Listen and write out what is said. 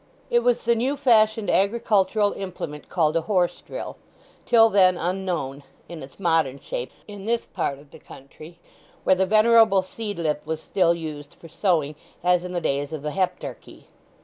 It was the new fashioned agricultural implement called a horse drill, till then unknown, in its modern shape, in this part of the country, where the venerable seed lip was still used for sowing as in the days of the Heptarchy.